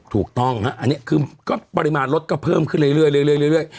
ถูกต้องฮะปริมาณรถก็เพิ่มขึ้นเรื่อย